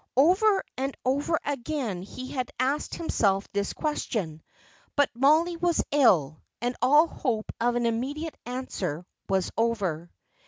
Over and over again he had asked himself this question; but Mollie was ill, and all hope of an immediate answer was over.